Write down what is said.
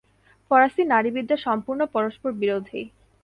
ফরাসি নারীবাদীরা সম্পূর্ণ পরস্পরবিরোধী।